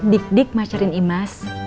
dik dik pacarin imas